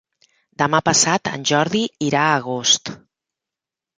Demà passat en Jordi irà a Agost.